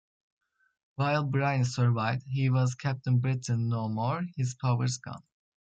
While Brian survived, he was Captain Britain no more, his powers gone.